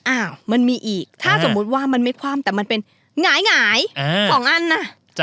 อ้าวมันมีอีกถ้าสมมุติว่ามันไม่คว่ำแต่มันเป็นหงาย๒อันนะ